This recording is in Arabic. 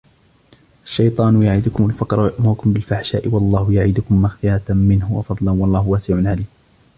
الشيطان يعدكم الفقر ويأمركم بالفحشاء والله يعدكم مغفرة منه وفضلا والله واسع عليم